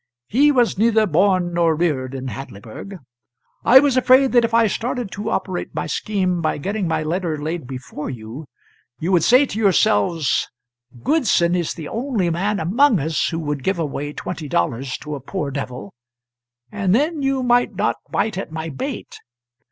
He was neither born nor reared in Hadleyburg. I was afraid that if I started to operate my scheme by getting my letter laid before you, you would say to yourselves, 'Goodson is the only man among us who would give away twenty dollars to a poor devil' and then you might not bite at my bait.